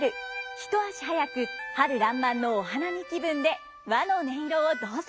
一足早く春らんまんのお花見気分で和の音色をどうぞ！